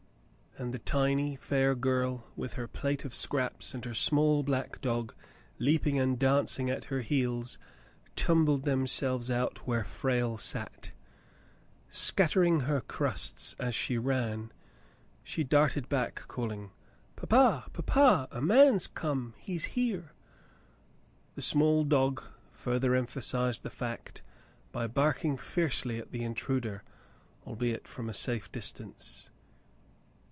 And the tiny, fair girl with her plate of scraps and her small black dog leaping and danc ing at her heels, tumbled themselves out where Frale sat. Scattering her crusts as she ran, she darted back, calling: "Papa, papa! A man's come. He's here." The small dog further emphasized the fact by barking fiercely at the intruder, albeit from a safe distance.